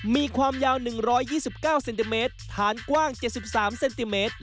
มีความยาว๑๒๙เซนติเมตรฐานกว้าง๗๓เซนติเมตร